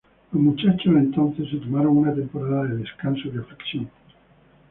Los muchachos, entonces, se tomaron una temporada de descanso y reflexión.